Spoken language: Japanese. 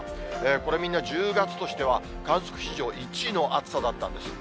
これみんな、１０月としては観測史上１位の暑さだったんです。